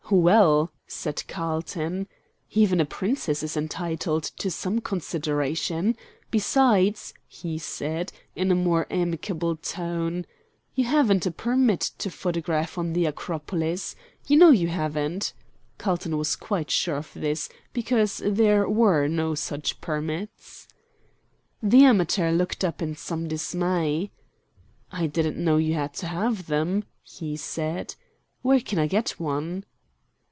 "Well," said Carlton, "even a Princess is entitled to some consideration. Besides," he said, in a more amicable tone, "you haven't a permit to photograph on the Acropolis. You know you haven't." Carlton was quite sure of this, because there were no such permits. The amateur looked up in some dismay. "I didn't know you had to have them," he said. "Where can I get one?"